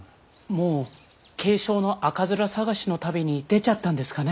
もう軽症の赤面探しの旅に出ちゃったんですかね。